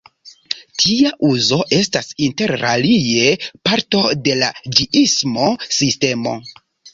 Tia uzo estas interalie parto de la ĝiismo-sistemo.